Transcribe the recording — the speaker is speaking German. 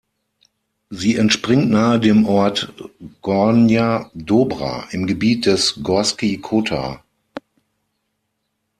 Sie entspringt nahe dem Ort Gornja Dobra im Gebiet des Gorski Kotar.